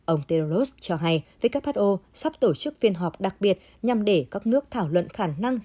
ông teros cho hay who sắp tổ chức phiên họp đặc biệt nhằm để các nước thảo luận khả năng